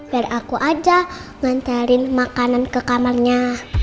biar aku aja nganterin makanan ke kamarnya